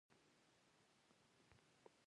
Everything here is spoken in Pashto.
نور ګروپونه پرمختللي حجروي جوړښت لري.